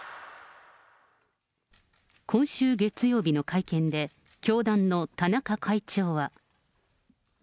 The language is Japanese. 今週月曜日の会見で、教団の田中会長は。